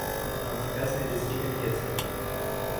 Am putea să ne deschidem piețele.